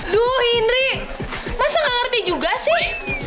duh indri masa ngerti juga sih